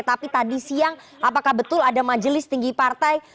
tapi tadi siang apakah betul ada majelis tinggi partai